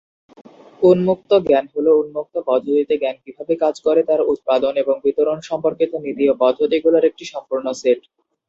উন্মুক্ত জ্ঞান হলো উন্মুক্ত পদ্ধতিতে জ্ঞান কীভাবে কাজ করে তার উৎপাদন এবং বিতরণ সম্পর্কিত নীতি ও পদ্ধতিগুলির একটি সম্পূর্ণ সেট।